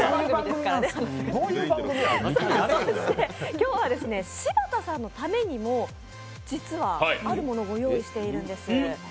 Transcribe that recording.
今日は柴田さんのためにも実はあるものをご用意しているんです。